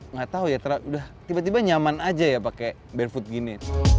nggak tahu ya tiba tiba nyaman aja ya pakai barefoot gini